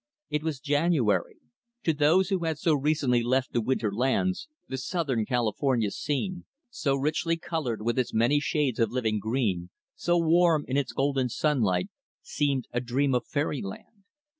It was January. To those who had so recently left the winter lands, the Southern California scene so richly colored with its many shades of living green, so warm in its golden sunlight seemed a dream of fairyland.